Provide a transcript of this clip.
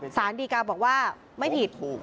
สารดีกาบอกว่าไม่ผิด